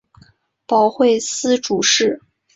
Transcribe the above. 保惠司主事。